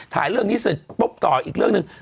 ถ่ายเรื่องนี้เสร็จปุ๊บต่ออีกเรื่องหนึ่ง